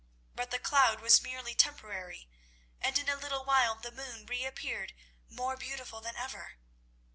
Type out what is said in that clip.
But the cloud was merely temporary, and in a little while the moon reappeared more beautiful than ever.